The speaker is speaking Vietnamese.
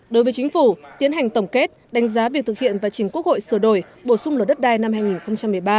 đối với chính phủ tiến hành tổng kết đánh giá việc thực hiện và chỉnh quốc hội sửa đổi bổ sung lửa đất đai năm hai nghìn một mươi ba